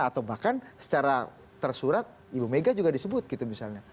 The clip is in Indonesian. atau bahkan secara tersurat ibu mega juga disebut gitu misalnya